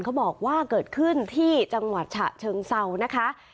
เขาบอกว่าเกิดขึ้นที่จังหวัดฉะเชิงเศร้านะคะ